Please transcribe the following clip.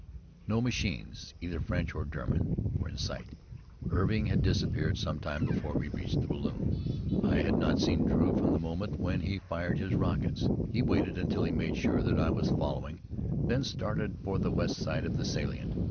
No machines, either French or German, were in sight. Irving had disappeared some time before we reached the balloon. I had not seen Drew from the moment when he fired his rockets. He waited until he made sure that I was following, then started for the west side of the salient.